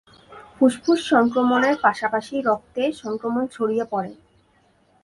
ফুসফুস সংক্রমণের পাশাপাশি রক্তে সংক্রমণ ছড়িয়ে পড়ে।